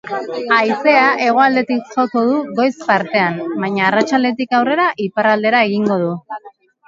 Haizea hegoaldetik joko du goiz partean, baina arratsaldetik aurrera iparraldera egingo du.